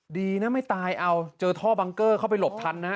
ดีนะไม่ตายเอาเจอท่อบังเกอร์เข้าไปหลบทันนะ